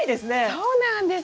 そうなんです。